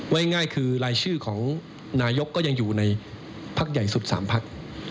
ง่ายคือรายชื่อของนายกก็ยังอยู่ในพักใหญ่สุด๓พัก